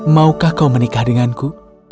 maukah kau menikah denganku